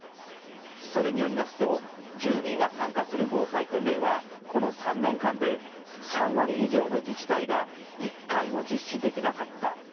それによりますと住民が参加する防災訓練はこの３年間で３割以上の自治体が１回も実施できなかった。